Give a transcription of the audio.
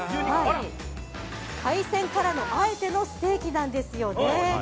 海鮮からのあえてのステーキなんです。